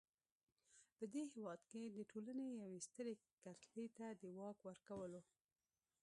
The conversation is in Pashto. په دې هېواد کې د ټولنې یوې سترې کتلې ته د واک ورکولو.